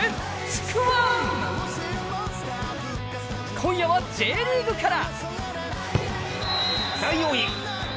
今夜はＪリーグから。